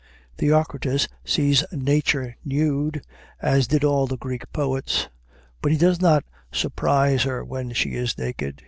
Theocritus sees Nature nude, as did all the Greek poets, but he does not surprise her when she is naked.